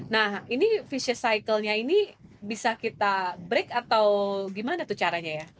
nah ini visit cycle nya ini bisa kita break atau gimana tuh caranya ya